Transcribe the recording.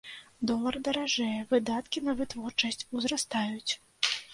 Долар даражэе, выдаткі на вытворчасць узрастаюць.